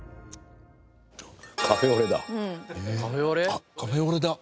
あっカフェオレだ。